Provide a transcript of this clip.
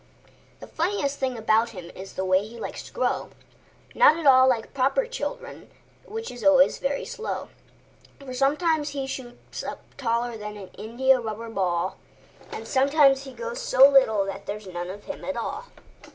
The funniest thing about him is the way he likes to grow—Not at all like proper children, which is always very slow; For he sometimes shoots up taller like an India rubber ball, And he sometimes gets so little that there's none of him at all.